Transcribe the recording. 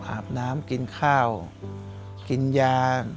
อาบน้ำกินข้าวกินยา